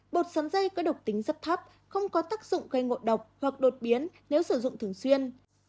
bột sắn dây có độc tính rất thấp không có tác dụng gây ngộ độc hoặc đột biến nếu sử dụng thường xuyên